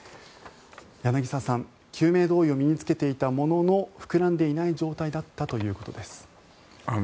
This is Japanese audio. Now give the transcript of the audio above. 柳澤さん、救命胴衣を身に着けていたものの膨らんでいない状態だったということです。